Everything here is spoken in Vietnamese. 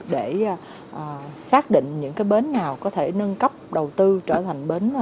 để xác định những cái bến nào có thể nâng cấp đầu tư trở thành bến